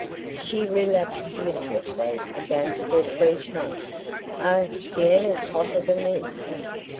She relapsed listlessly against her tree trunk. "Oh, Siena's hotter than this."